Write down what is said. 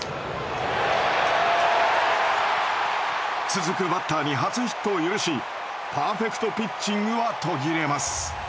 続くバッターに初ヒットを許しパーフェクトピッチングは途切れます。